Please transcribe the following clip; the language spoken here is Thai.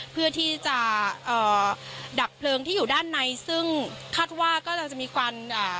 เพื่อที่จะเอ่อดับเพลิงที่อยู่ด้านในซึ่งคาดว่ากำลังจะมีควันอ่า